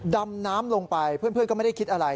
ดำน้ำลงไปเพื่อนก็ไม่ได้คิดอะไร